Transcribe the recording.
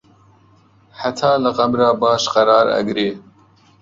هەتا لە قەبرا باش قەرار ئەگرێ